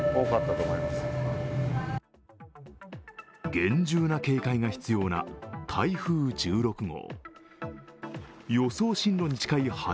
厳重な警戒が必要な台風１６号。